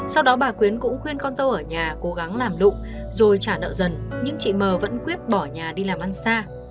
sau đó bà quyến cũng khuyên con dâu ở nhà cố gắng làm lụng rồi trả nợ dần nhưng chị mờ vẫn quyết bỏ nhà đi làm ăn xa